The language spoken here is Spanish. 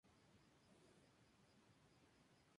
Tiene dos islas pequeñas situadas en la costa este.